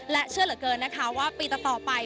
และเชื่อเหลือเกินนะคะว่าปีต่อไป